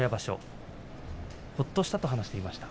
ほっとしたと話していました。